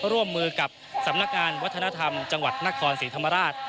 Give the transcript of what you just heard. ร่วมมือกับสำนักงานวัฒนธรรมจังหวัดนครศรีธรรมราช